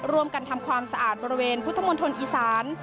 ร่วมกันทำความสะอาดบริเวณพุทธมณฑลอีสาน